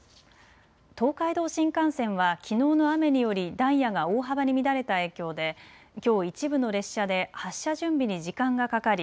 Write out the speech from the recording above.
東海道新幹線はきのうの雨によりダイヤが大幅に乱れた影響できょう一部の列車で発車準備に時間がかかり